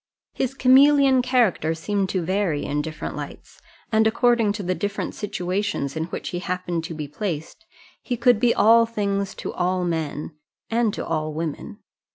His chameleon character seemed to vary in different lights, and according to the different situations in which he happened to be placed. He could be all things to all men and to all women.